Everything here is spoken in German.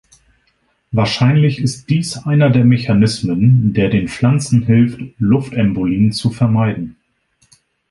Wahrscheinlich ist dies einer der Mechanismen, der den Pflanzen hilft, Luftembolien zu vermeiden.